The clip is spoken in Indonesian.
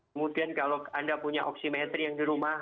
kemudian kalau anda punya oksimetri yang di rumah